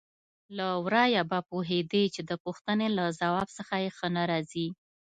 له ورايه به پوهېدې چې د پوښتنې له ځواب څخه یې ښه نه راځي.